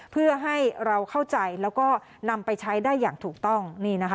เพื่อให้เราเข้าใจแล้วก็นำไปใช้ได้อย่างถูกต้อง